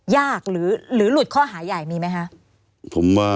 หรือหลุดข้อหาใหญ่มีไหมคะ